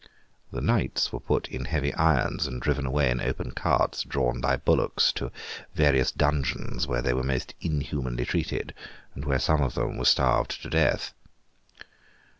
The Knights were put in heavy irons, and driven away in open carts drawn by bullocks, to various dungeons where they were most inhumanly treated, and where some of them were starved to death.